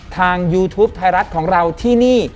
ยูทูปไทยรัฐของเราที่นี่